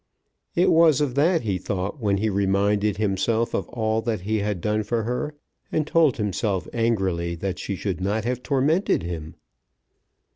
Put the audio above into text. It was of that he thought when he reminded himself of all that he had done for her, and told himself angrily that she should not have tormented him.